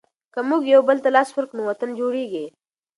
که موږ یو بل ته لاس ورکړو نو وطن جوړیږي.